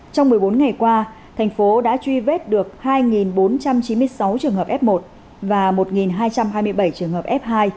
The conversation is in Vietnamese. trong một mươi bốn ngày qua thành phố đã truy vết được hai bốn trăm chín mươi sáu trường hợp f một và một hai trăm hai mươi bảy trường hợp f hai